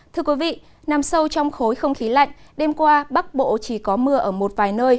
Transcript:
thưa quý vị nằm sâu trong khối không khí lạnh đêm qua bắc bộ chỉ có mưa ở một vài nơi